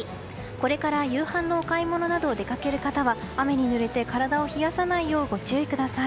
これから夕飯のお買い物など出かける方は雨にぬれて体を冷やさないようご注意ください。